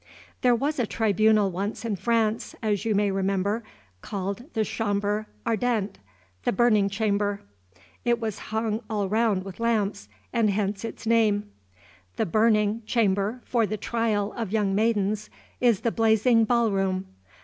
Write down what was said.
There was a tribunal once in France, as you may remember, called the Chambre Ardente, the Burning Chamber. It was hung all round with lamps, and hence its name. The burning chamber for the trial of young maidens is the blazing ball room.